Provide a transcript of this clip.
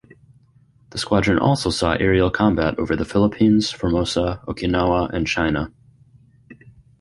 The squadron also saw aerial combat over the Philippines, Formosa, Okinawa, and China.